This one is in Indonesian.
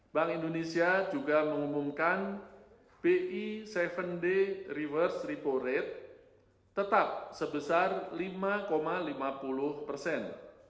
bank indonesia juga mengumumkan bi tujuh day reverse repo rate tetap sebesar lima lima puluh persen